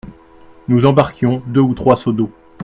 Nous embarquions deux ou trois seaux d'eau.